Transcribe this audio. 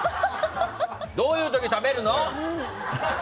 どういう時食べるの？